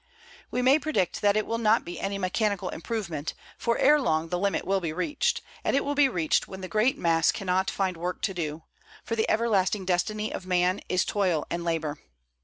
We may predict that it will not be any mechanical improvement, for ere long the limit will be reached, and it will be reached when the great mass cannot find work to do, for the everlasting destiny of man is toil and labor.